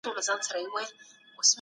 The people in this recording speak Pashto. سیمه ایزي بودیجي څنګه ویشل کیږي؟